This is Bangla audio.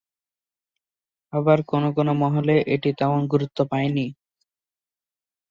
আবার কোন কোন মহলে এটি তেমন গুরুত্ব পায়নি।